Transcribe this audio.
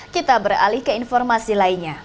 kita beralih ke informasi lainnya